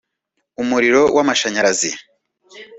umuriro w’amashanyarazi